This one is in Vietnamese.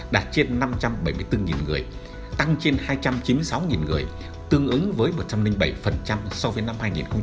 đạt trên năm trăm bảy mươi bốn người tăng trên hai trăm chín mươi sáu người tương ứng với một trăm linh bảy so với năm hai nghìn một mươi tám